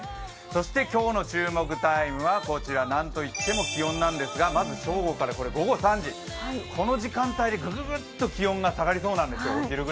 そして今日の注目タイムはこちらなんといっても気温なんですが、まずは正午からまず正午から午後３時、この時間帯でグググッと気温が下がりそうなんです。